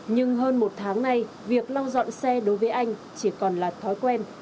nhưng hơn một tháng nay việc lau dọn xe đối với anh chỉ còn là thói quen